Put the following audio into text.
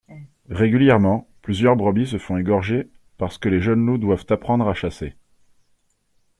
Régulièrement, plusieurs brebis se font égorger parce que les jeunes loups doivent apprendre à chasser.